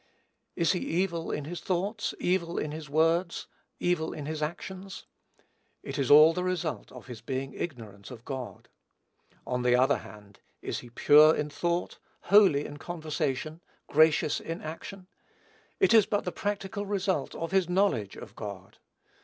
Is he evil in his thoughts, evil in his words, evil in his actions? It is all the result of his being ignorant of God. On the other hand, is he pure in thought, holy in conversation, gracious in action? It is but the practical result of his knowledge of God.